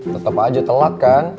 tetep aja telat kan